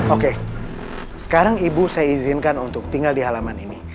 oke sekarang ibu saya izinkan untuk tinggal di halaman ini